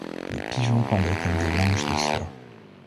Les pigeons pendaient comme des linges de soie.